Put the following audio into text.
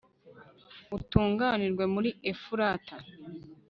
utunganirwe muri efurata